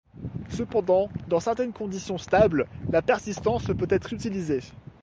Cependant, dans certaines conditions stables, la persistance peut être utilisée.